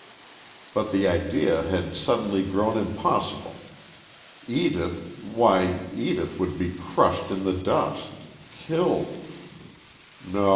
But the idea had suddenly grown impossible. Edith why, Edith would be crushed in the dust killed.